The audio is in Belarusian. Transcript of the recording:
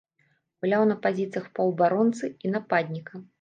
Гуляў на пазіцыях паўабаронцы і нападніка.